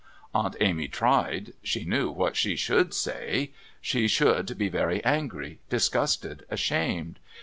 Aunt Amy tried; she knew what she should say. She should be very angry, disgusted, ashamed.